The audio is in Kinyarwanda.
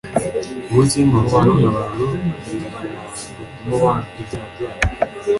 Umunsi w'impongano abantu bihanaga ibyaha byabo,